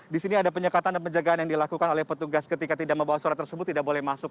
di sini ada penyekatan dan penjagaan yang dilakukan oleh petugas ketika tidak membawa surat tersebut tidak boleh masuk